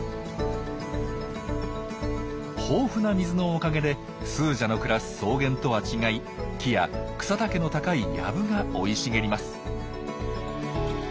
豊富な水のおかげでスージャの暮らす草原とは違い木や草丈の高い藪が生い茂ります。